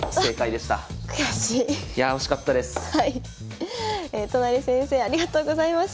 はい。